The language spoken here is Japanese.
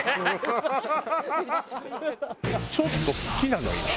ちょっと好きなの今。